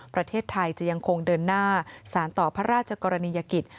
ประเทศไทยจะยังคงเดินหน้าสารต่อพระราชกรณียกิจ